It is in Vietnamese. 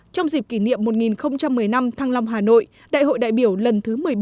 trong dịp kỷ niệm một nghìn một mươi năm thăng long hà nội đại hội đại biểu lần thứ một mươi bảy